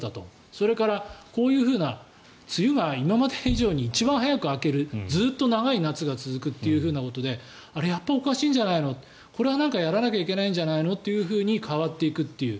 それから、こういう梅雨が今まで以上に一番早く明けるずっと長い夏が続くということであれ、やっぱりおかしいんじゃないのこれは何かやらなきゃいけないんじゃないのっていうふうに変わっていくという。